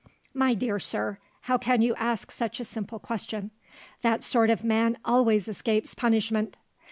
"My dear sir, how can you ask such a simple question? That sort of man always escapes punishment.